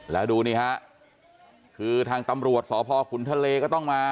แล้วดูนี่ฮะคือทางตำรวจสพขุนทะเลก็ต้องมา